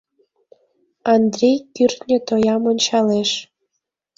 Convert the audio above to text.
Андрий кӱртньӧ тоям ончалеш.